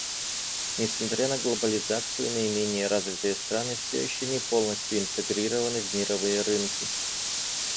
Несмотря на глобализацию, наименее развитые страны все еще не полностью интегрированы в мировые рынки.